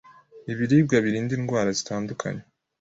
Ibiribwa birinda indwara zitandukanye